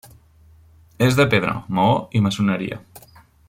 És de pedra, maó i maçoneria.